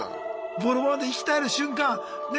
ボロボロで息絶える瞬間ね